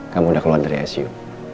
kamu sudah keluar dari su